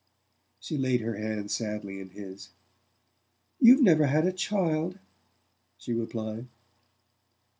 She laid her hand sadly in his. "You've never had a child," she replied.